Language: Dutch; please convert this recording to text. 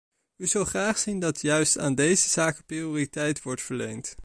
U zou graag zien dat juist aan deze zaken prioriteit wordt verleend.